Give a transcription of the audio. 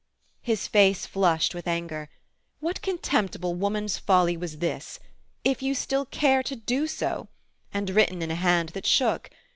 His face flushed with anger. What contemptible woman's folly was this? "If you still care to do so"—and written in a hand that shook.